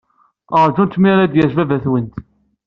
Ṛjumt mi ara d-yas baba-twent.